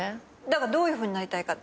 だからどういうふうになりたいか。